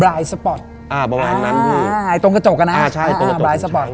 อ่าประมาณนั้นคืออ่าตรงกระจกอะนะอ่าใช่ตรงกระจกหูช้าง